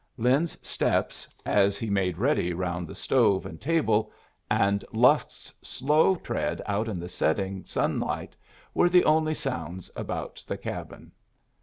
Lin's steps as he made ready round the stove and table, and Lusk's slow tread out in the setting sunlight, were the only sounds about the cabin.